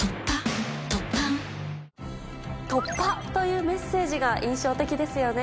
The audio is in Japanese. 「突破」というメッセージが印象的ですよね。